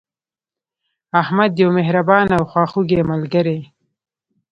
احمد یو مهربانه او خواخوږی ملګری